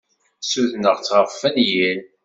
Ssudneɣ-tt ɣef wenyir.